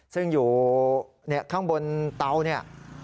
ซึ่งอยู่ข้างบนเตาเนี่ย